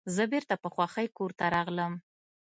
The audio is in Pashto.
زه بیرته په خوښۍ کور ته راغلم.